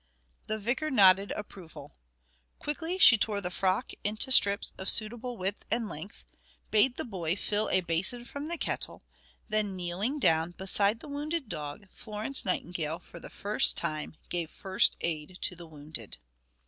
The vicar nodded approval. Quickly she tore the frock into strips of suitable width and length; bade the boy fill a basin from the kettle, and then kneeling down beside the wounded dog, Florence Nightingale for the first time gave "first aid to the wounded."